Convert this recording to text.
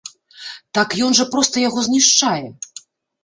Так ён жа проста яго знішчае!